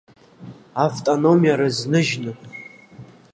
Автономиа рызныжьны…